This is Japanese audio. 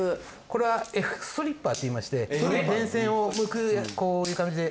これはストリッパーといいまして電線をむくこういう感じで。